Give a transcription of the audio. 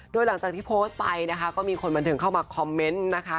โดยหลังจากที่โพสต์ไปนะคะก็มีคนบันเทิงเข้ามาคอมเมนต์นะคะ